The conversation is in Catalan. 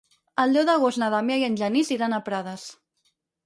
El deu d'agost na Damià i en Genís iran a Prades.